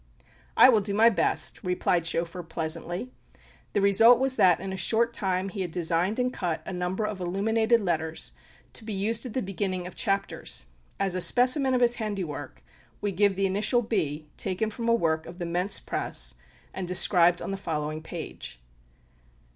"I will do my best," replied Schoeffer, pleasantly. The result was that in a short time he had designed and cut a number of illuminated letters, to be used at the beginning of chapters. As a specimen of his handiwork, we give the initial B, taken from a work of the Mentz press, and described on the following page.